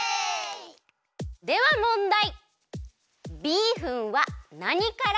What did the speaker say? ではもんだい！